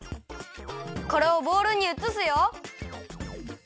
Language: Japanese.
これをボウルにうつすよ。